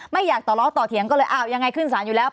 ไม่อยากต่อล้อต่อเถียงก็เลยอ้าวยังไงขึ้นสารอยู่แล้ว